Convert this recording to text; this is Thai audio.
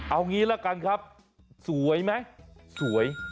เอางี้ละกันครับสวยไหมสวย